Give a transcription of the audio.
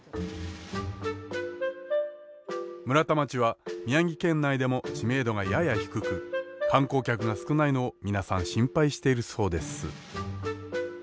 村田町は宮城県内でも知名度がやや低く観光客が少ないのを皆さん心配しているそうです。